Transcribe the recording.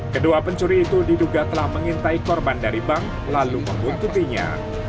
kedua pencuri itu diduga telah mengintai korban dari bank lalu membuntutinya